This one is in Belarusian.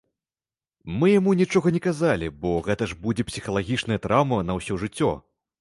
Мы яму нічога не казалі, бо гэта ж будзе псіхалагічная траўма на ўсё жыццё.